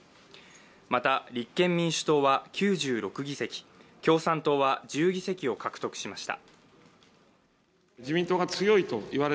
また、立憲民主党は９６議席、共産党は１０議席を獲得しました。